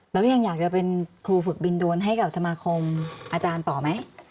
แล้วยังอยากจะเป็นครูฝึกบินโดนให้กับสมาคมอาจารย์ต่อไหม